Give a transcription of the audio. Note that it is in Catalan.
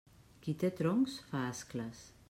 Qui té troncs, fa ascles.